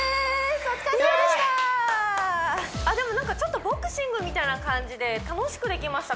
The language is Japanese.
お疲れさまでしたあっでもなんかちょっとボクシングみたいな感じで楽しくできました